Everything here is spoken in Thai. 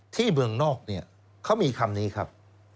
เมืองนอกเนี่ยเขามีคำนี้ครับ